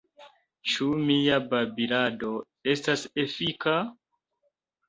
Ĉu mia babilado estas efika?